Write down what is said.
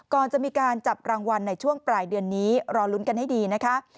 ก่อนจะมีการจับรางวัลในช่วงปลายเดือนนี้รอลุ้นกันให้ดีนะคะ